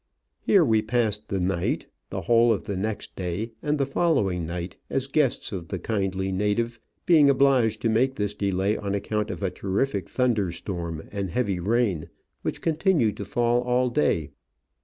Here we passed the night, the whole of next day, and the following night as guests of the kindly native, being obliged to make this delay on account of a terrific thunderstorm and heavy rain, which continued to fall all day.